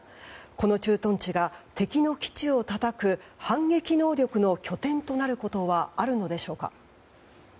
この駐屯地が敵の基地をたたく反撃能力の拠点となることはあるのでしょうか。